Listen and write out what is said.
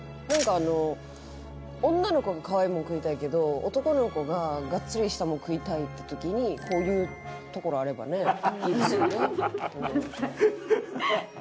なんかあの女の子がかわいいもん食いたいけど男の子ががっつりしたもん食いたいって時にこういうところあればねいいですよね。